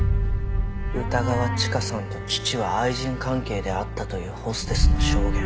歌川チカさんと父は愛人関係であったというホステスの証言。